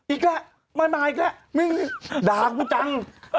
อีกมาหน่าอีกแล้วด่าครูจัง